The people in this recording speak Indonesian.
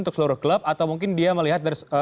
untuk seluruh klub atau mungkin dia melihat